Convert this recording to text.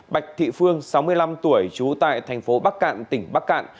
bạch thị phương sáu mươi năm tuổi trú tại thành phố bắc cạn tỉnh bắc cạn